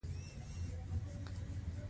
د اوبې ولسوالۍ ګرمې اوبه لري